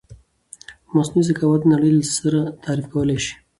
مثنوعې زکاوت نړی له سره تعریف کولای شې